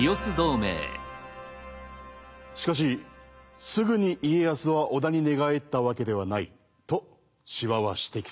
しかしすぐに家康は織田に寝返ったわけではないと司馬は指摘する。